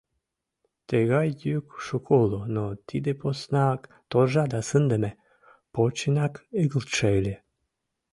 Тыгай йӱк шуко уло, но тиде поснак торжа да сындыме, почынак игылтше ыле.